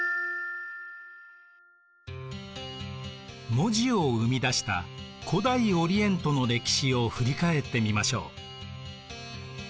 文字を生み出した古代オリエントの歴史を振り返ってみましょう。